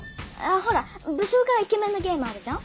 ほら武将がイケメンのゲームあるじゃん。